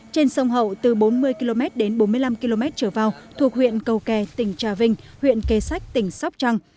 trên sông hậu từ bốn mươi km đến bốn mươi năm km trở vào thuộc huyện cầu kè tỉnh trà vinh huyện kê sách tỉnh sóc trăng